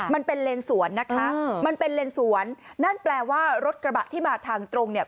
มันเป็นเลนสวนนะคะมันเป็นเลนสวนนั่นแปลว่ารถกระบะที่มาทางตรงเนี่ย